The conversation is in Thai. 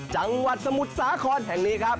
จังหวัดสมุทรสาครแห่งนี้ครับ